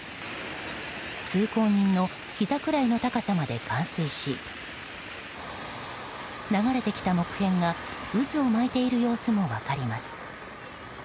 通行人のひざくらいの高さまで冠水し流れてきた木片が渦を巻いている様子も分かります。